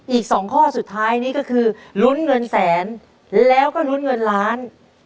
อีก๒ข้อสุดท้ายนี้ก็คือลุ้นเงินแสนแล้วก็ลุ้นเงินล้าน